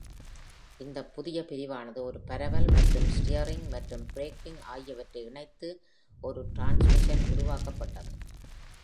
இந்த புதிய பிரிவானது ஒரு பரவல் மாற்றம், ஸ்டீயரிங் மற்றும் பிரேக்கிங் ஆகியவற்றை இணைத்து ஒரு டிரான்ஸ்மிஷன் உருவாக்கப்பட்டது.